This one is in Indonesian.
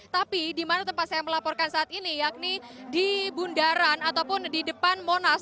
tapi di mana tempat saya melaporkan saat ini yakni di bundaran ataupun di depan monas